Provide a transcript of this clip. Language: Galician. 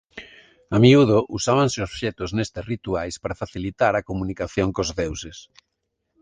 A miúdo usábanse obxectos nestes rituais para facilitar a comunicación cos deuses.